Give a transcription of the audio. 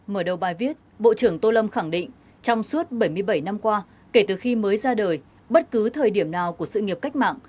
mở đầu bài viết bộ trưởng tô lâm khẳng định trong suốt bảy mươi bảy năm qua kể từ khi mới ra đời bất cứ thời điểm nào của sự nghiệp cách mạng